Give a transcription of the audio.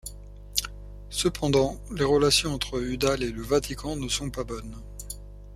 Cependant, les relations entre Hudal et le Vatican ne sont pas bonnes.